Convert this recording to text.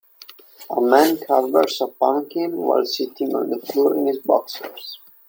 A man carvers a pumpkin while sitting on the floor in his boxers.